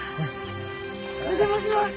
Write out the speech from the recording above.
お邪魔します。